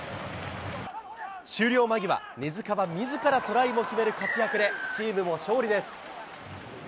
終了間際、根塚はみずからトライも決める活躍で、チームも勝利です。